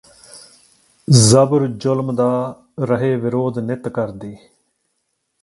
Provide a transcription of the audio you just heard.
ਜ਼ਬਰ ਜੁਲਮ ਦਾ ਰਹੇ ਵਿਰੋਧ ਨਿੱਤ ਕਰਦੀ